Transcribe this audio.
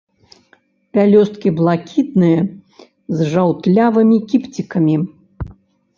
Пялёсткі блакітныя, з жаўтлявымі кіпцікамі.